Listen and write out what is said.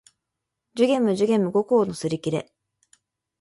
寿限無寿限無五劫のすりきれ